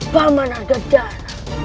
baman adet darn